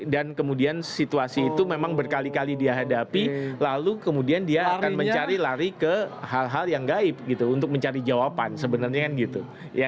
dan kemudian situasi itu memang berkali kali dihadapi lalu kemudian dia akan mencari lari ke hal hal yang gaib gitu untuk mencari jawaban sebenarnya gitu